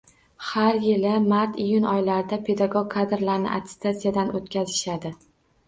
Har yili mart-iyun oylarida pedagog kadrlarni attestatsiyadan oʻtkazishadi